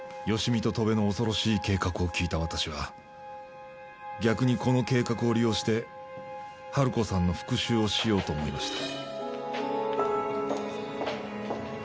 芳美と戸辺の恐ろしい計画を聞いた私は逆にこの計画を利用して春子さんの復讐をしようと思いました。